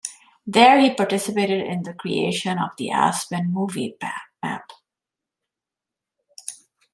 There he participated in the creation of the Aspen Movie Map.